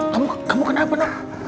tidak tidak tidak